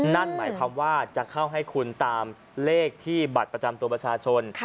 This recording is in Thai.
นั่นหมายความว่าจะเข้าให้คุณตามเลขที่บัตรประจำตัวประชาชน